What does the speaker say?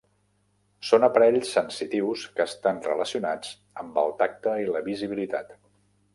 Són aparells sensitius que estan relacionats amb el tacte i la visibilitat.